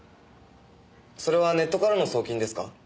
それはネットからの送金ですか？